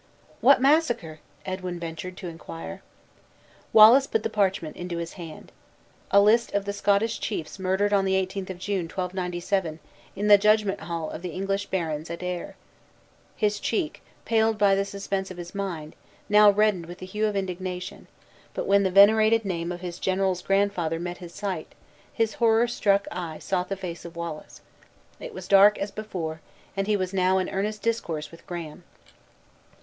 "What massacre?" Edwin ventured to inquire. Wallace put the parchment into his hand. "A list of the Scottish chiefs murdered on the 18th of June, 1297, in the Judgment Hall of the English Barons at Ayr," his cheek, paled by the suspense of his mind, now reddened with the hue of indignation; but when the venerated name of his general's grandfather met his sight, his horror struck eye sought the face of Wallace; it was dark as before, and he was now in earnest discourse with Graham.